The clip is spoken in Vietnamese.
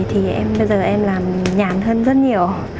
thì bây giờ em làm nhàn hơn rất nhiều